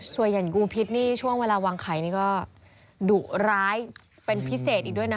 สวยันกูพิชนี่ช่วงเวลาวางไข้ก็ดุร้ายเป็นพิเศษอีกด้วยนะ